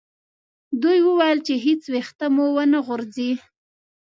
دوی وویل چې هیڅ ویښته مو و نه غورځي.